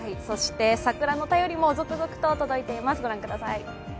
そして桜の便りも続々と届いています。